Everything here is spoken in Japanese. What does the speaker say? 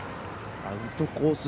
アウトコース